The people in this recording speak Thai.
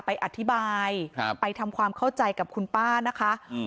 ไปอธิบายครับไปทำความเข้าใจกับคุณป้านะคะอืม